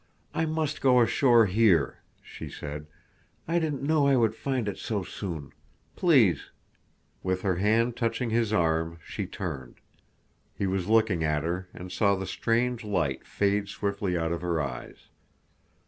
"I must go ashore here," she said. "I didn't know I would find it so soon. Please—" With her hand touching his arm she turned. He was looking at her and saw the strange light fade swiftly out of her eyes.